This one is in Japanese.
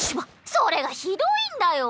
それがひどいんだよ！